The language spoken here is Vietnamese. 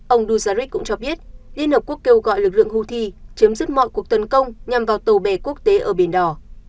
ông duzaric cũng cho biết liên hợp quốc kêu gọi lực lượng houthi chấm dứt mọi cuộc tấn công nhằm vào tàu bè quốc tế ở biển đỏ